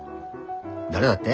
誰だって？